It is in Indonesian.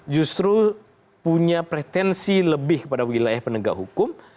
justru punya pretensi lebih kepada wilayah penegak hukum